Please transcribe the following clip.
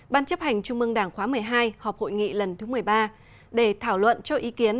ban chấp hành trung mương đảng khóa một mươi hai họp hội nghị lần thứ một mươi ba để thảo luận cho ý kiến